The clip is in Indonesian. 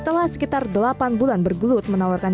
telah sekitar delapan bulan bergelut menawarkan